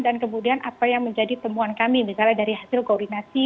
dan kemudian apa yang menjadi temuan kami misalnya dari hasil koordinasi